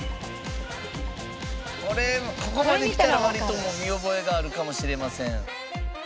ここまできたら割ともう見覚えがあるかもしれません。